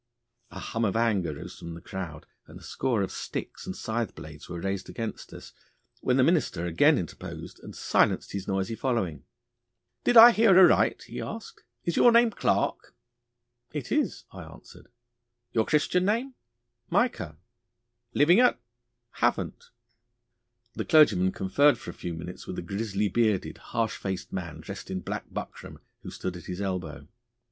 A hum of anger rose from the crowd, and a score of sticks and scythe blades were raised against us, when the minister again interposed and silenced his noisy following. 'Did I hear aright?' he asked. 'Is your name Clarke?' 'It is,' I answered. 'Your Christian name?' 'Micah.' 'Living at?' 'Havant.' The clergyman conferred for a few moments with a grizzly bearded, harsh faced man dressed in black buckram who stood at his elbow.